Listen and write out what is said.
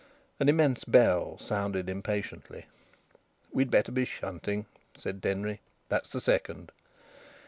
An immense bell sounded impatiently. "We'd better be shunting," said Denry. "That's the second."